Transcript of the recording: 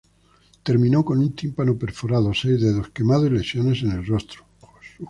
Terminó con un tímpano perforado, seis dedos quemados y lesiones en el rostro.